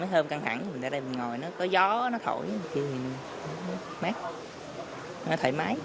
mấy hôm căng thẳng mình ra đây mình ngồi nó có gió nó thổi mát nó thoải mái